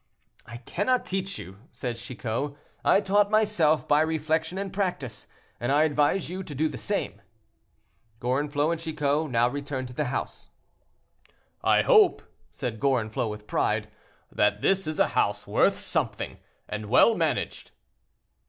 "I cannot teach you," said Chicot. "I taught myself by reflection and practice; and I advise you to do the same." Gorenflot and Chicot now returned to the house. "I hope," said Gorenflot, with pride, "that this is a house worth something, and well managed."